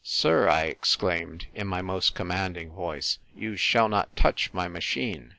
"Sir," I exclaimed, in my most commanding voice, "you shall not touch my machine.